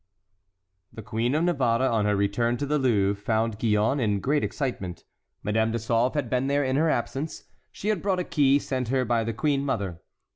The Queen of Navarre on her return to the Louvre found Gillonne in great excitement. Madame de Sauve had been there in her absence. She had brought a key sent her by the queen mother.